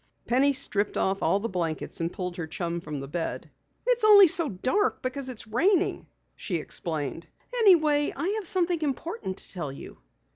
Penny stripped off all the blankets and pulled her chum from the bed. "It's only so dark because it's raining," she explained. "Anyway, I have something important to tell you."